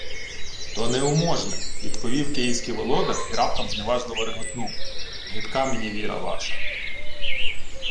— То неуможне, — відповів київський володар і раптом зневажливо реготнув: — Гидка мені віра ваша!